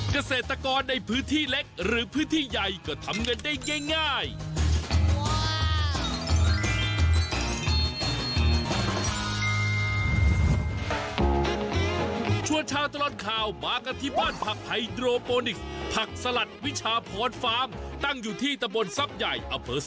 เกษตรกรในพื้นที่เล็กหรือพื้นที่ใหญ่ก็ทำเงินได้ง่าย